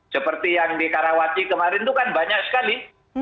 seperti yang di karawati kemarin itu kan banyak sekali